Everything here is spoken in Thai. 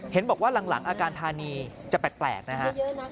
เห็นบอกว่าหลังอาการธานีจะแปลกนะฮะ